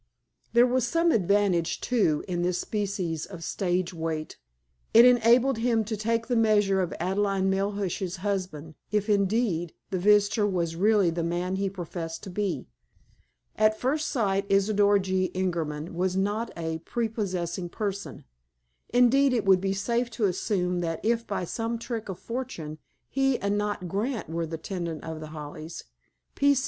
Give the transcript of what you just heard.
There was some advantage, too, in this species of stage wait. It enabled him to take the measure of Adelaide Melhuish's husband, if, indeed, the visitor was really the man he professed to be. At first sight, Isidor G. Ingerman was not a prepossessing person. Indeed, it would be safe to assume that if, by some trick of fortune, he and not Grant were the tenant of The Hollies, P. C.